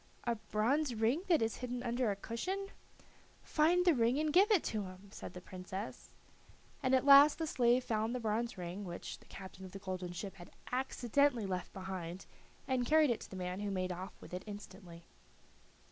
"A bronze ring that is hidden under a cushion." "Find the ring and give it to him," said the Princess. And at last the slave found the bronze ring, which the captain of the golden ship had accidentally left behind and carried it to the man, who made off with it instantly.